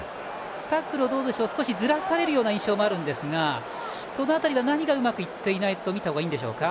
タックルを少しずらされる印象もありますがその辺りは何がうまくいっていないと見たらいいんでしょうか。